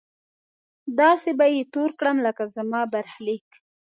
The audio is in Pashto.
داسې به يې تور کړم لکه زما برخليک!